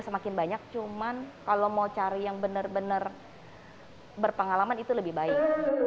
semakin banyak cuman kalau mau cari yang benar benar berpengalaman itu lebih baik